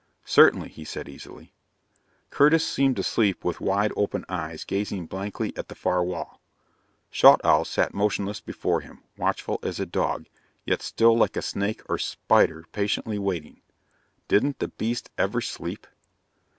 "Certainly," he said easily. Curtis seemed to sleep with wide open eyes gazing blankly at the far wall. Schaughtowl sat motionless before him, watchful as a dog, yet still like a snake or spider patiently waiting. Didn't the beast ever sleep?